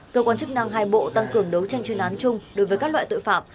cơ quan chức năng hai bộ tăng cường đấu tranh chuyên án chung đối với các loại tội phạm